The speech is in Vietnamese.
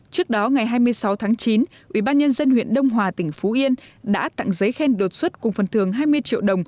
trước đó ngày hai mươi sáu tháng chín ubnd huyện đông hòa tỉnh phú yên đã tặng giấy khen đột xuất cùng phần thường hai mươi triệu đồng